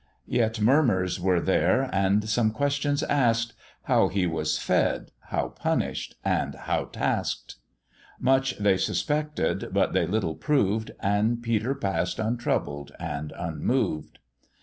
Yet murmurs were there, and some questions ask'd How he was fed, how punish'd, and how task'd? Much they suspected, but they little proved, And Peter pass'd untroubled and unmoved.